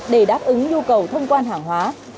để đáp ứng nhu cầu thông quan hàng hóa